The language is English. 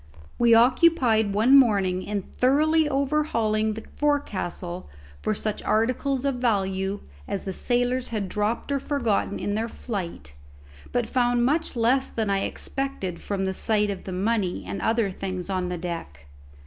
We occupied one morning in thoroughly overhauling the forecastle for such articles of value as the sailors had dropped or forgotten in their flight; but found much less than I had expected from the sight of the money and other things on the deck.